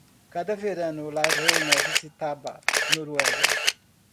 Cada verano, la reina visitaba Noruega.